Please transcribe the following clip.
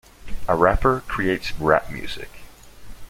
A rapper creates rap music.